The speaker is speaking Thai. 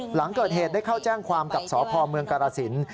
หลังเกิดเหตุได้เข้าแจ้งความกับสพเมืองกรสิน